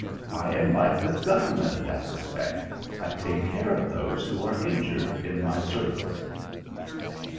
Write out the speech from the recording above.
I am like the Government in that respect. I take care of those who are injured in my service."